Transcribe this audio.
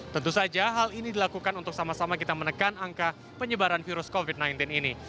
tentu saja hal ini dilakukan untuk sama sama kita menekan angka penyebaran virus covid sembilan belas ini